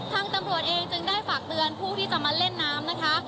ทางตำรวจเองจึงได้ฝากเตือนผู้ที่จะมาเล่นน้ำนะคะ